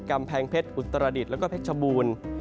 กำแพงเพชรอุตรดิษฐ์แล้วก็เพชรชบูรณ์